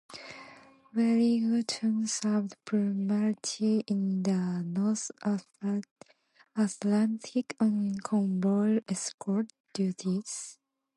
"Wellington" served primarily in the North Atlantic on convoy escort duties.